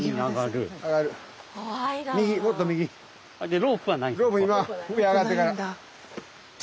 ロープ今上あがってから。